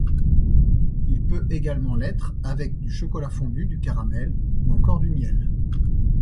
Il peut également l'être avec du chocolat fondu, du caramel ou encore du miel.